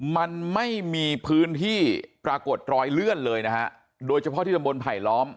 มันไม่มีพื้นที่ปรากฏรอยเลื่อนเลยนะฮะโดยเฉพาะที่ตำบลไผลล้อม